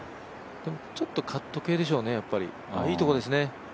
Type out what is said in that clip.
ちょっとカット系でしょうね、いいところですね。